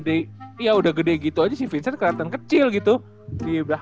tapi kita lihat kalo kemarin si vincent kayaknya sesuai ke sama tiga puluh satu diajar abis mulu ya masih cana tip